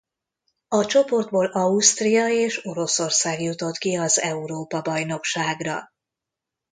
A csoportból Ausztria és Oroszország jutott ki az Európa-bajnokságra.